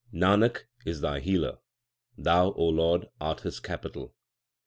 Nanak is Thy dealer ; Thou O Lord, art his capital.